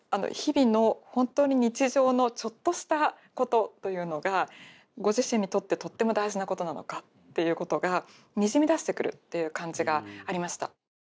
日々の本当に日常のちょっとしたことというのがご自身にとってとっても大事なことなのかっていうことがにじみ出してくるっていう感じがありました。